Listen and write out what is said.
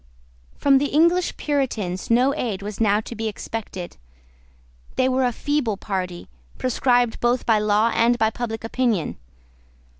From the English Puritans no aid was now to be expected. They were a feeble party, proscribed both by law and by public opinion.